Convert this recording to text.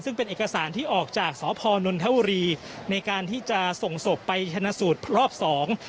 ซึ่งเป็นเอกสารที่ออกจากสพนนทบุรีในการที่จะส่งศพไปชนะสูตรรอบสอง